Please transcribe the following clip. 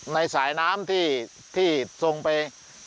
ในสายน้ำที่ทรงไป